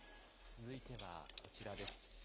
続いてはこちらです。